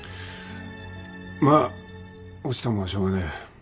まあ落ちたもんはしょうがねえ。